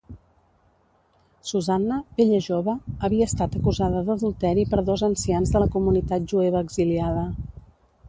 Susanna, bella jove, havia estat acusada d'adulteri per dos ancians de la comunitat jueva exiliada.